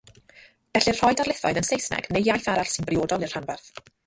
Gellir rhoi darlithoedd yn Saesneg neu iaith arall sy'n briodol i'r rhanbarth.